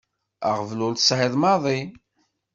Aɣbel ur t-sɛiɣ maḍi.